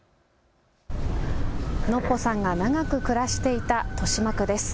ノッポさんが長く暮らしていた豊島区です。